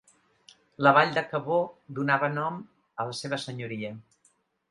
La vall de Cabó donava nom a la seva senyoria.